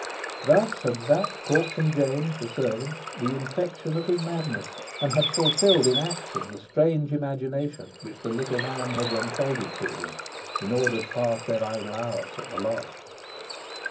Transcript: Thus had Sapt caught from James, the servant, the infection of his madness, and had fulfilled in action the strange imagination which the little man had unfolded to him in order to pass their idle hours at the lodge.